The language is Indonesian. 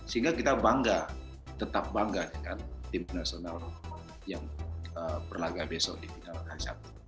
sehingga kita bangga tetap bangga dengan tim nasional yang berlagak besok di finalkan satu